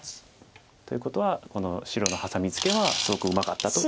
ということはこの白のハサミツケはすごくうまかったということです。